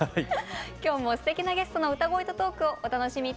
今日もすてきなゲストの歌声とトークをお楽しみ頂きます。